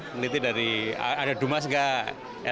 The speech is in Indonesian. peneliti dari ada dumas nggak